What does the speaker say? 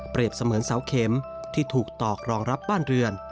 เสมือนเสาเข็มที่ถูกตอกรองรับบ้านเรือน